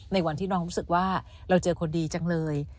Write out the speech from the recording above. ในวันที่น้องรู้สึกว่าเราเจอคนดีจังเลย